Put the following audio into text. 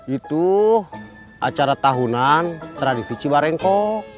itu acara tahunan tradisi cibarengko